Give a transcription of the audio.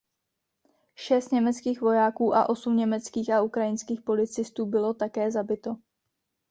Šest německých vojáků a osm německých a ukrajinských policistů bylo také zabito.